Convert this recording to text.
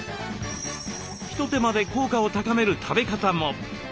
一手間で効果を高める食べ方も。